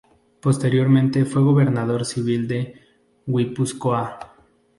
Posteriormente fue gobernador civil de Guipúzcoa.